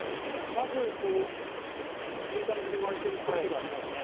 まずこういい感じで割れてるくるみがありますね。